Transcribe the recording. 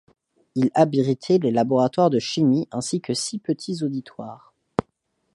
Il abritait les laboratoires de chimie ainsi que six petits auditoires.